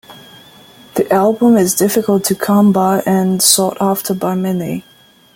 The album is difficult to come by and sought after by many.